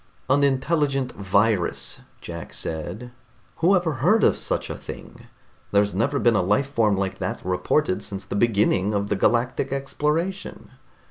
"An intelligent virus?" Jack said. "Who ever heard of such a thing? There's never been a life form like that reported since the beginning of the galactic exploration."